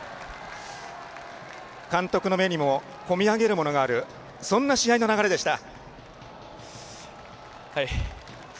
監督の目にも込み上げるものがあるそんな試合の流れでした。